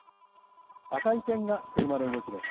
赤い点が車の動きです。